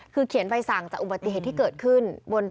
คือเขียนใบสั่งจากอุบัติเหตุที่เกิดขึ้น